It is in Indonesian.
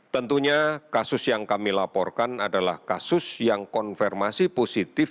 tentunya kasus yang kami laporkan adalah kasus yang konfirmasi positif